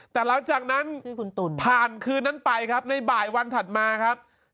แต่หลังจากนั้นผ่านคืนนั้นไปครับในบายวันถัดมาครับชื่อท่านตุล